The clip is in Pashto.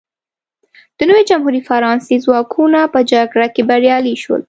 د نوې جمهوري فرانسې ځواکونه په جګړه کې بریالي شول.